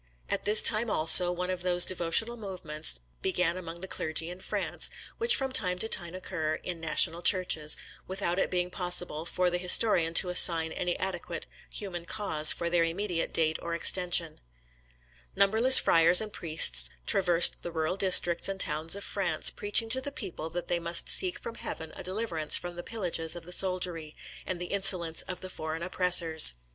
At this time, also, one of those devotional movements began among the clergy in France, which from time to time occur in national Churches, without it being possible for the historian to assign any adequate human cause for their immediate date or extension. Numberless friars and priests traversed the rural districts and towns of France, preaching to the people that they must seek from Heaven a deliverance from the pillages of the soldiery, and the insolence of the foreign oppressors. [See, Sismondi vol. xiii. p.